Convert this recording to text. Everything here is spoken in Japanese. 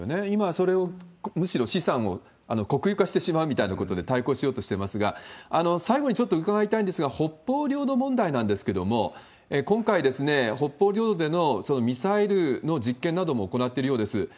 今、それをむしろ資産を国有化してしまうみたいなことで対抗しようとしてますが、最後にちょっと伺いたいんですが、北方領土問題なんですけれども、今回、北方領土でのミサイルの実験なども行ってるようです。